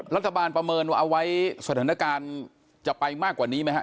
ประเมินเอาไว้สถานการณ์จะไปมากกว่านี้ไหมฮะ